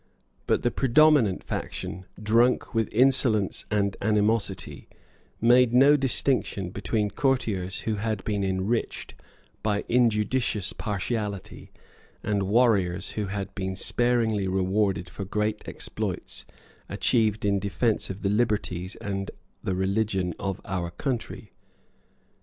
But the predominant faction, drunk with insolence and animosity, made no distinction between courtiers who had been enriched by injudicious partiality and warriors who had been sparingly rewarded for great exploits achieved in defence of the liberties and the religion of our country.